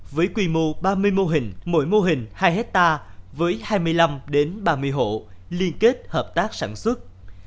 với quy mô ba mươi mô hình mỗi mô hình hai hectare với hai mươi năm ba mươi hộ liên kết hợp tác sản xuất